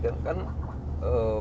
pertama sekali kan